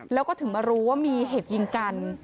แล้วก็ถึงมารู้ว่ามีเหตุยิงกัน